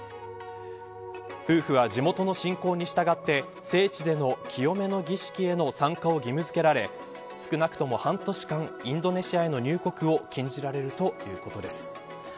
夫婦は、地元の信仰に従って聖地での清めの儀式への参加を義務付けられ少なくとも半年間インドネシアへの入国を禁じられるということです。